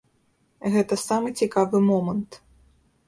Гэта самы цікавы момант.